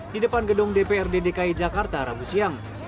di depan gedung dprd dki jakarta rabu siang